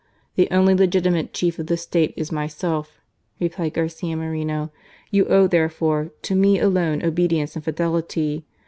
"The only legitimate Chief of the State is myself," replied Garcia Moreno. " You owe, there fore, to me alone obedience and fidelity.